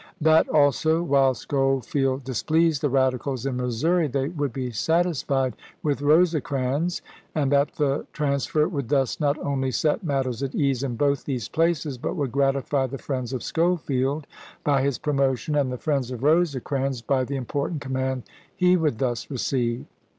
That also while Schofield displeased the Radicals in Missouri they would be satisfied with Rosecrans, and that the trans fer would thus not only set matters at ease in both these places, but would gratify the friends of Scho field by his promotion and the friends of Rosecrans by the important command he would thus receive.